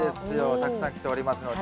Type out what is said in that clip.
たくさん来ておりますので。